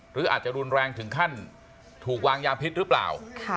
หรืออาจจะรุนแรงถึงขั้นถูกวางยาพิษหรือเปล่า